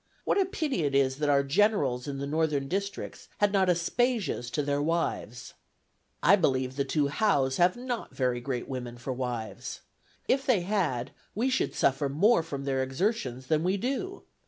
What a pity it is that our Generals in the northern districts had not Aspasias to their wives! "I believe the two Howes have not very great women for wives. If they had, we should suffer more from their exertions than we do.